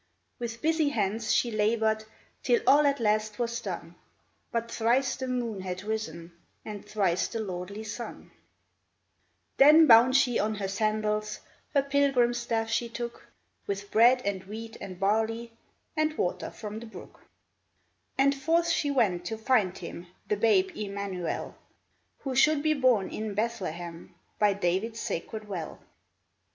With busy hands she labored Till all at last was done — But thrice the moon had risen, And thrice the lordly sun ! Then bound she on her sandals, Her pilgrim staff she took ; With bread of wheat and barley. And water from the brook ; And forth she went to find Him — The babe Emmanuel, Who should be born in Bethlehem By David's sacred well.